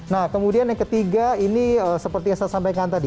nah kemudian yang ketiga ini seperti yang saya sampaikan tadi